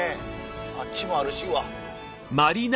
あっちもあるしうわ。